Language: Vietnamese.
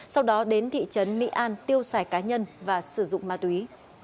sau đó đến thị trấn mỹ an tiêu xài cá nhân và sử dụng ma túy